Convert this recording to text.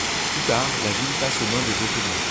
Plus tard, la ville passe aux mains des Ottomans.